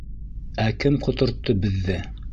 Ә кем ҡотортто беҙҙе?